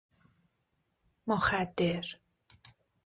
مخدر